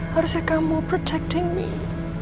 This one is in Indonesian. harusnya kamu yang melindungi saya